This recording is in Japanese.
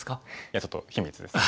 いやちょっと秘密です。